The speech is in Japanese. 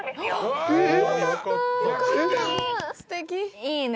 いいね